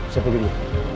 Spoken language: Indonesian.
saya pergi dulu